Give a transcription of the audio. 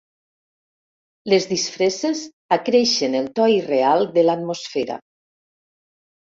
Les disfresses acreixen el to irreal de l'atmosfera.